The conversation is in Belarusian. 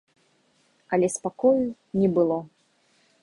Але спакою не было.